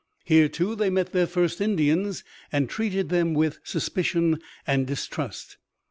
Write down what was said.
Here too they met their first Indians, and treated them with suspicion and distrust.